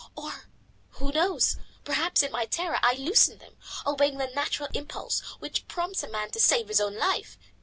Or, who knows! perhaps in my terror I loosed them, obeying the natural impulse which prompts a man to save his own life.